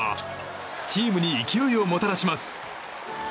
チームに勢いをもたらします。